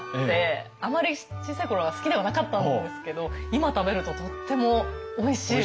あまり小さい頃は好きではなかったんですけど今食べるととってもおいしいです。